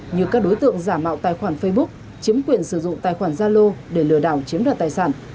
như các đối tượng giả mạo tài khoản facebook chiếm quyền sử dụng tài khoản gia lô để lừa đảo chiếm đoạt tài sản